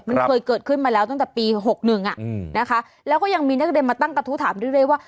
มันเคยเกิดขึ้นมาแล้วตั้งแต่ปี๖๑นะคะแล้วก็ยังมีนักเรียนมาตั้งกระทู้ถามเรื่อยว่า